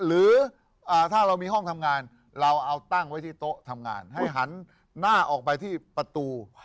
หรือถ้าเรามีห้องทำงานเราเอาตั้งไว้ที่โต๊ะทำงานให้หันหน้าออกไปที่ประตู